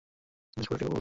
এখানের সবার একই গল্প।